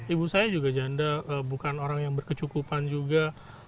ibu saya juga janda bukan orang yang berkecukupan juga